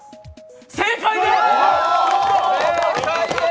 正解でーす！